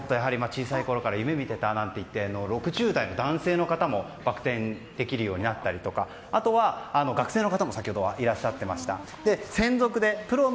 性別問わず、年齢問わずでアクロバット小さいころから夢見てたなんて言って６０代の男性の方もバク転できるようになったりとか学生の方も先ほどいらっしゃっていました。